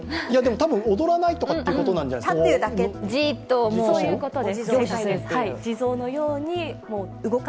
多分、踊らないとかっていうことなんじゃないですか？